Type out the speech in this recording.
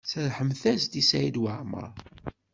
Serrḥemt-as-d i Saɛid Waɛmaṛ.